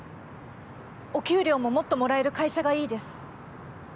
お給料ももっともらえる会社がいいです。